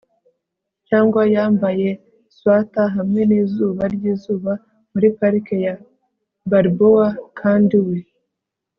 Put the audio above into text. cyangwa yambaye swater hamwe nizuba ryizuba muri parike ya balboa kandi we